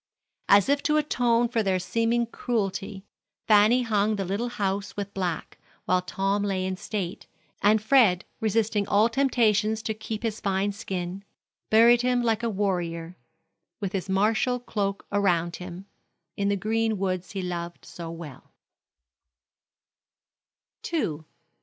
As if to atone for their seeming cruelty, Fanny hung the little house with black while Tom lay in state, and Fred, resisting all temptations to keep his fine skin, buried him like a warrior "with his martial cloak around him," in the green woods he loved so well.